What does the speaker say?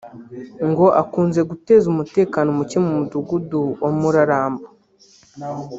ngo akunze guteza umutekano muke mu mudugudu wa Murarambo